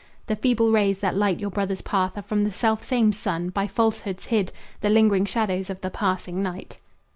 The feeble rays that light your brother's path Are from the selfsame Sun, by falsehoods hid, The lingering shadows of the passing night.